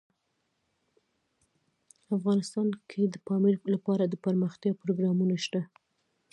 افغانستان کې د پامیر لپاره دپرمختیا پروګرامونه شته.